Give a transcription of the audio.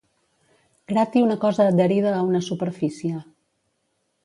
Grati una cosa adherida a una superfície.